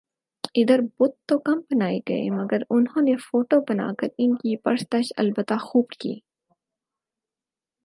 ادھر بت تو کم بنائےگئے مگر انہوں نے فوٹو بنا کر انکی پرستش البتہ خو ب کی